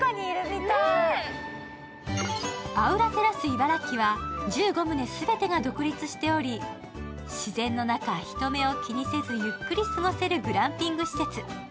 茨城は１５棟全てが独立しており自然の中、人目を気にせずゆっくり過ごせるグランピング施設。